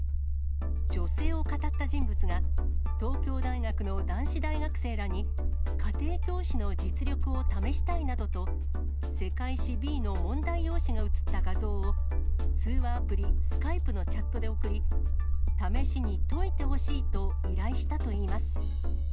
女性を語った人物が、東京大学の男子大学生らに、家庭教師の実力を試したいなどと、世界史Ｂの問題用紙が写った画像を、通話アプリ、スカイプのチャットで送り、試しに解いてほしいと依頼したといいます。